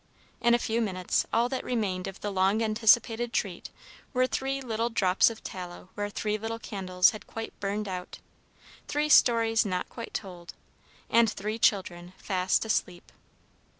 In a few minutes all that remained of the long anticipated treat were three little drops of tallow where three little candles had quite burned out, three stories not quite told, and three children fast asleep.